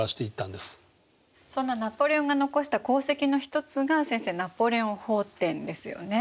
そんなナポレオンが残した功績の一つが先生「ナポレオン法典」ですよね。